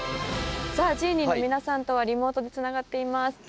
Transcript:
さあＧＥＮＩＥの皆さんとはリモートでつながっています。